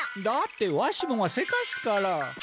だってわしもがせかすから。